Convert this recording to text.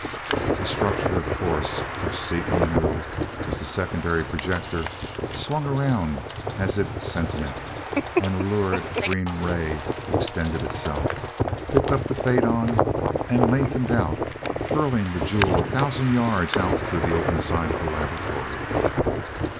The structure of force, which Seaton knew was the secondary projector, swung around as if sentient, and a lurid green ray extended itself, picked up the faidon, and lengthened out, hurling the jewel a thousand yards out through the open side of the laboratory.